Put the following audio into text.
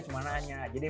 cuma nanya aja deh